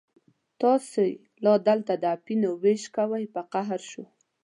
تاسې لا دلته د اپینو وېش کوئ، په قهر شو.